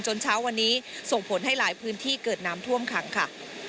เช้าวันนี้ส่งผลให้หลายพื้นที่เกิดน้ำท่วมขังค่ะ